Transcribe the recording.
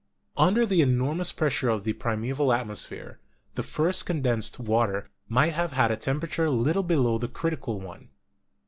Under the enormous pressure of the primeval atmosphere, the first condensed water might have had a temperature lit tle below the critical one.